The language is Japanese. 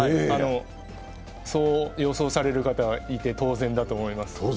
そう予想される方がいて当然だと思います。